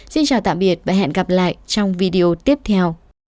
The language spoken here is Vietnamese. xin chào tạm biệt và hẹn gặp lại trong video tiếp theo